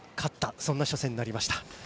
そんな初戦になりました。